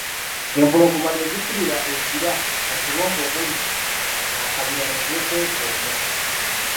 Empologoma ne zikkirira e Kira mu kiwonvu omuli akabira ne zeekweka omwo.